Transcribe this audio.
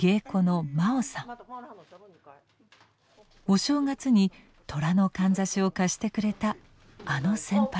お正月に寅のかんざしを貸してくれたあの先輩です。